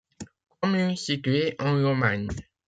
Commune située en Lomagne.